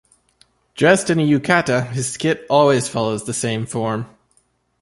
Dressed in a yukata, his skit always follows the same form.